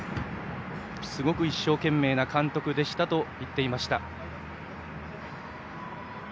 すごく一生懸命な監督でしたと言っていました。